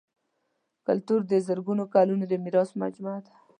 کلتور د زرګونو کلونو د میراث مجموعه ده.